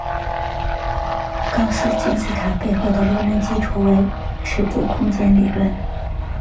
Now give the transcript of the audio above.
高斯金字塔背后的理论基础为尺度空间理论。